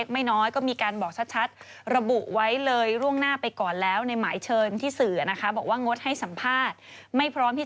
มันเร่งอยู่ว่าอันนี้เหมือนกันตรงไหนนะอย่างนี้